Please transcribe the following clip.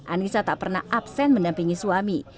anissa tak pernah absen mendampingi suami